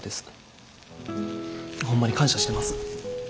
ホンマに感謝してます。